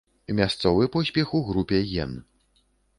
Мясцовы поспех у групе ген.